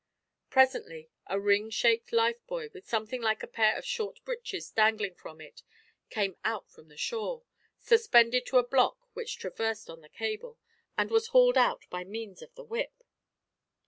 Presently a ring shaped lifebuoy, with something like a pair of short breeches dangling from it, came out from the shore, suspended to a block which traversed on the cable, and was hauled out by means of the whip.